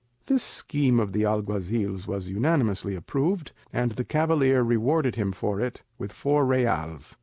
This scheme of the alguazil's was unanimously approved, and the cavalier rewarded him for it with four reals.